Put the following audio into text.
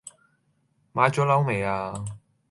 買左樓未呀